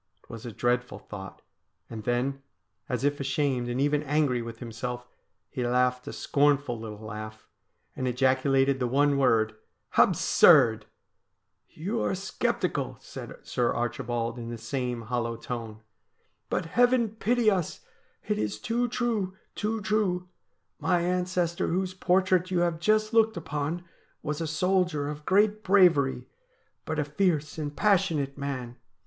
It was a dreadful thought ; and then, as if ashamed and even angry with himself, he laughed a scornful little laugh, and ejaculated the one word :' Absurd !'' You are sceptical,' said Sir Archibald in the same hollow tone. ' But, heaven pity us ! it is too true— too true. My ancestor whose portrait you have just looked upon was a soldier of great bravery, but a fierce and passionate man.